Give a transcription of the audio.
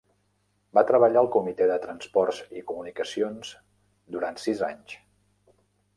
Va treballar al comitè de transports i comunicacions durant sis anys.